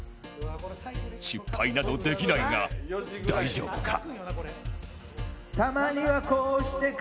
失敗などできないが大丈夫か？